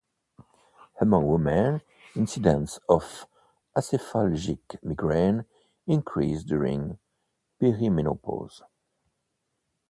Among women, incidents of acephalgic migraine increase during perimenopause.